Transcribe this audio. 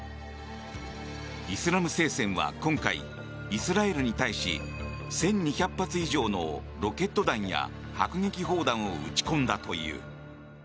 イスラム聖戦は今回イスラエルに対し１２００発以上のロケット弾や迫撃砲弾を撃ち込んだという。